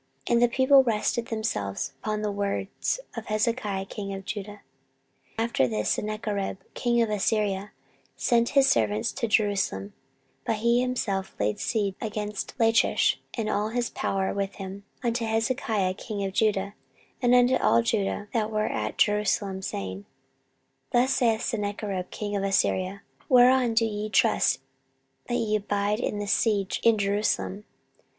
And the people rested themselves upon the words of Hezekiah king of Judah. 14:032:009 After this did Sennacherib king of Assyria send his servants to Jerusalem, (but he himself laid siege against Lachish, and all his power with him,) unto Hezekiah king of Judah, and unto all Judah that were at Jerusalem, saying, 14:032:010 Thus saith Sennacherib king of Assyria, Whereon do ye trust, that ye abide in the siege in Jerusalem?